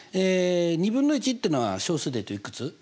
２分の１っていうのは少数で言うといくつ？